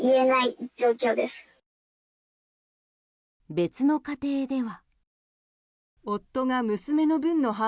別の家庭では。